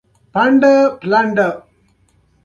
نورستان د افغانستان د ځایي اقتصادونو بنسټ دی.